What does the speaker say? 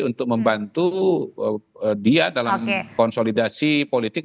untuk membantu dia dalam konsolidasi politik